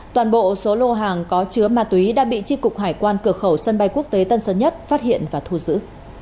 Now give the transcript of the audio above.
toàn bộ số lô hàng có chứa ma túy đã bị tri cục hải quan cửa khẩu sân bay quốc tế tân sơn nhất phát hiện và thu giữ